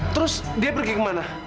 terus dia pergi kemana